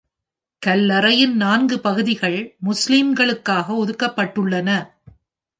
கல்லறையின் நான்கு பகுதிகள் முஸ்லிம்களுக்காக ஒதுக்கப்பட்டுள்ளன.